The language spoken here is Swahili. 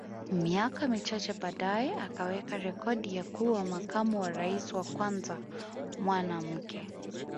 Miaka michache baadae akaweka rekodi ya kuwa makamu wa Rais wa kwanza mwanamke